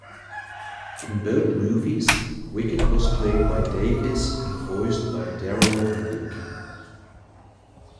In both movies, Wicket was played by Davis and voiced by Darryl Henriques.